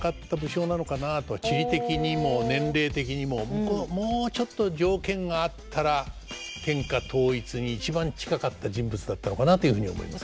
地理的にも年齢的にももうちょっと条件が合ったら天下統一に一番近かった人物だったのかなというふうに思いますね。